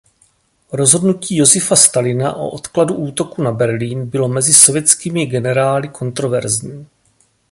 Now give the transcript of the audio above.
Rozhodnutí Josifa Stalina o odkladu útoku na Berlín bylo mezi sovětskými generály kontroverzní.